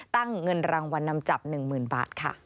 ตั้งเงินรางวันนำจับ๑หมื่นบาทค่ะ